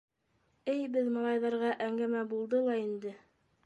Эй беҙ малайҙарға әңгәмә булды ла инде.